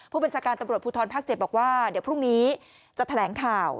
ผู้บัญชาการตำรวจภูทรภาค๗บอกว่าเดี๋ยวพรุ่งนี้จะแถลงข่าว